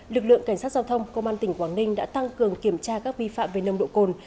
lực lượng cảnh sát giao thông công an tỉnh quảng ninh đã tăng cường kiểm tra các vi phạm về nông độ cồn